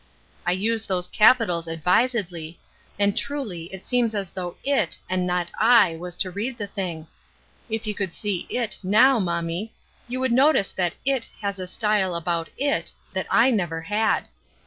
I use those capitals advisedly, and truly it seems as though IT and not I was to read the thing. If you could see IT now, mommie, you would notice that IT has a style about IT that I never had.